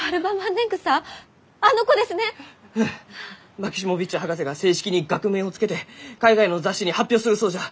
マキシモヴィッチ博士が正式に学名を付けて海外の雑誌に発表するそうじゃ！